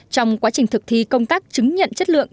trong quá trình thực thi công tác chứng nhận chất lượng